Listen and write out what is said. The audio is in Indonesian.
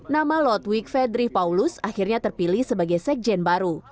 nama lodwig fedri paulus akhirnya terpilih sebagai sekjen baru